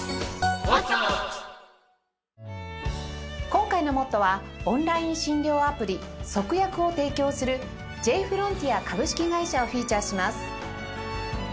今回の『ＭＯＴＴＯ！！』はオンライン診療アプリ「ＳＯＫＵＹＡＫＵ」を提供するジェイフロンティア株式会社をフィーチャーします。